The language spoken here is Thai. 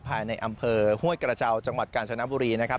ภายในอำเภอห้วยกระเจ้าจังหวัดกาญจนบุรีนะครับ